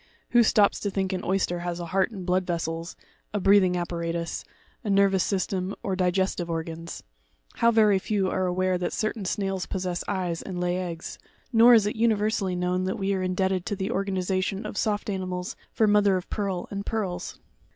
Who stops to think an oyster has a heart and blood vessels, a breathing apparatus, a nervous system, or digestive organs? How very few are aware that certain snails possess eyes and lay eggs; nor is it universally known that we are in debted to the organization of soft animals for mother of pearl and pearls!